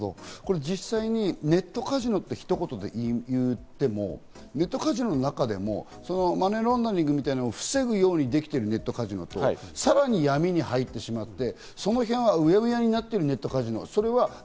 実際にネットカジノってひと言で言っても、ネットカジノの中でもマネーロンダリングみたいなのを防ぐようにできているネットカジノと、さらに闇に入ってしまって、そのへんがうやむやになっているネットカジノがある。